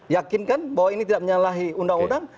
yakinkan bahwa ini tidak menyalahi undang undang